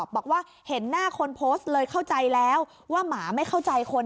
บอกว่าเห็นหน้าคนโพสต์เลยเข้าใจแล้วว่าหมาไม่เข้าใจคน